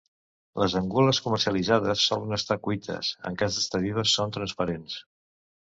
Les angules comercialitzades solen estar cuites, en cas d'estar vives són transparents.